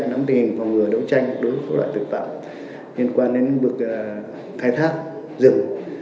nắm tình hình phòng ngừa đấu tranh đối với loại tội phạm liên quan đến lĩnh vực khai thác rừng